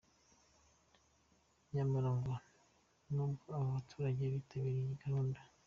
Nyamara ngo nubwo aba baturage bitabiriye iyi gahunda.